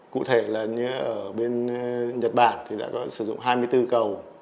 cụ thể là ở bên nhật bản thì đã có sử dụng hai mươi bốn cầu